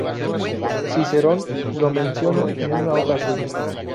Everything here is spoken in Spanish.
Cicerón lo menciona en una obra suya.